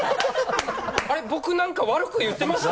あれ僕なんか悪く言ってました？